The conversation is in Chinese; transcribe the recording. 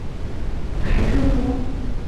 凯特波。